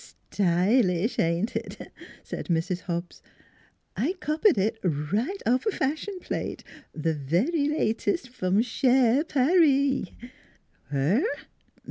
"Stylish! ain't it?" said Mrs. Hobbs. "I copied it right off a fashion plate the very latest from Sher Par ee."